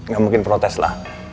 gak mungkin protes lah